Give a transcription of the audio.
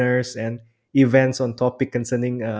terima kasih telah menjadi sokongan dari katdata